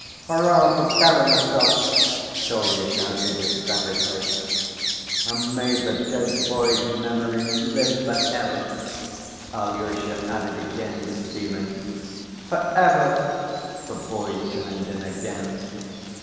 "Hurrah for Karamazov!" Kolya shouted ecstatically. "And may the dead boy's memory live for ever!" Alyosha added again with feeling. "For ever!" the boys chimed in again.